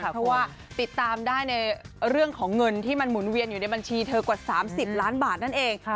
เพราะว่าติดตามได้ในเรื่องของเงินที่มันหมุนเวียนอยู่ในบัญชีเธอกว่า๓๐ล้านบาทนั่นเอง